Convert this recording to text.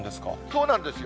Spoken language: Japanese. そうなんですよ。